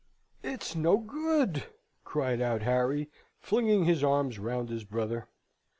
"It's no good!" cried out Harry, flinging his arms round his brother.